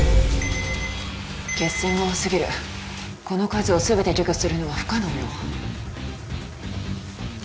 血栓が多すぎるこの数を全て除去するのは不可能よ